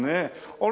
あれ？